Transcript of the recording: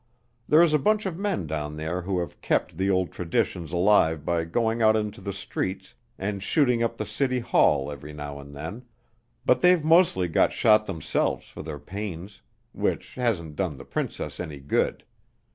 There is a bunch of men down there who have kept the old traditions alive by going out into the streets and shooting up the city hall every now and then, but they've mostly got shot themselves for their pains, which hasn't done the princess any good.